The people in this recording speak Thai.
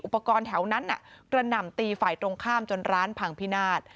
ปกรณ์แถวนั้นกระหน่ำตีฝ่ายตรงข้ามจนร้านพังพินาศ